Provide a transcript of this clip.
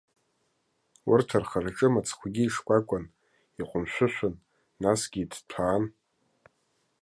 Урҭ рхы-рҿы мыцхәгьы ишкәакәан, иҟәымшәышәын, насгьы иҭҭәаан.